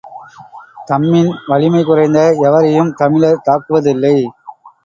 தம்மின் வலிமைகுறைந்த எவரையும் தமிழர் தாக்குவதில்லை.